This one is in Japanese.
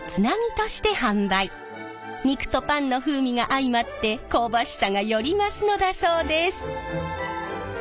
肉とパンの風味が相まって香ばしさがより増すのだそうです。